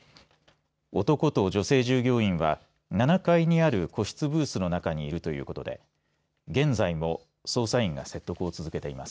男と女性従業員は７階にある個室ブースの中にいるということで現在も捜査員が説得を続けています。